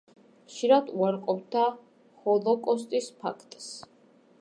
ხშირად უარყოფდა ჰოლოკოსტის ფაქტს.